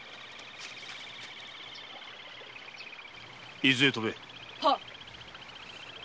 伊豆へ飛べ。